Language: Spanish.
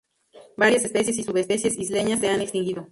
Varias especies y subespecies isleñas se han extinguido.